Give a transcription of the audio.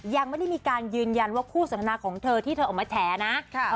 ยังไม่ได้มีการยืนยันว่าคู่สนทนาของเธอที่เธอออกมาแฉนะ